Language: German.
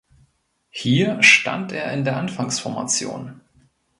Hier stand er in der Anfangsformation.